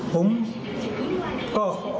ผมก็ออกจากนั้น